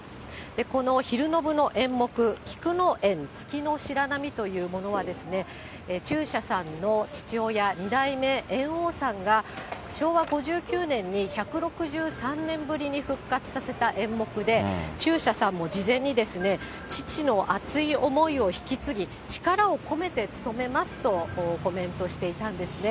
この昼の部の演目、菊宴月白浪というものは中車さんの父親、二代目猿翁さんが、昭和５９年に１６３年ぶりに復活させた演目で、中車さんも事前に父の熱い思いを引き継ぎ、力を込めて勤めますとコメントしていたんですね。